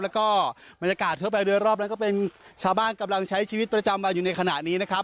แล้วก็บรรยากาศทั่วไปโดยรอบนั้นก็เป็นชาวบ้านกำลังใช้ชีวิตประจำวันอยู่ในขณะนี้นะครับ